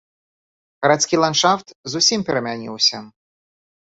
Гарадскі ландшафт зусім перамяніўся.